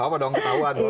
gak apa dong ketahuan